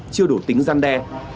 chưa đủ tính gian đe